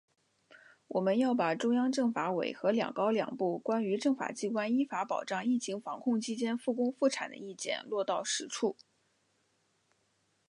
我们要把中央政法委和‘两高两部’《关于政法机关依法保障疫情防控期间复工复产的意见》落到实处